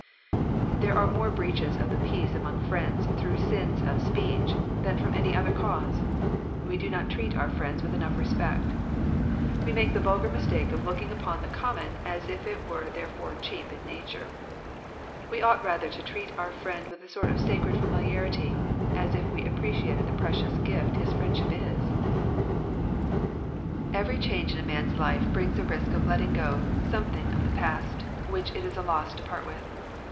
There are more breaches of the peace among friends through sins of speech, than from any other cause. We do not treat our friends with enough respect We make the vulgar mistake of looking upon the common as if it were there fore cheap in nature. We ought rather to treat our friend with a sort of sacred familiarity, as if we appreciated the pre cious gift his friendship is. 144 Digitized by VjOOQIC THE WRECK OF FRIENDSHIP Every change in a man's life brings a risk of letting go something of the past, which it is a loss to part with.